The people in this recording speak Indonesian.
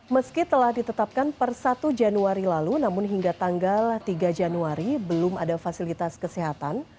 meski telah ditetapkan per satu januari lalu namun hingga tanggal tiga januari belum ada fasilitas kesehatan